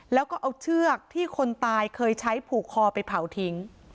แล้วก็เอาเชือกที่คนตายเคยใช้ผูกคอไปเผาทิ้ง